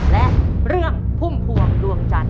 และเรื่องพุ่มพวงดวงจันท